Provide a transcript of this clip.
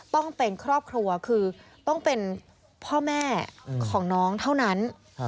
ต้องเป็นครอบครัวคือต้องเป็นพ่อแม่ของน้องเท่านั้น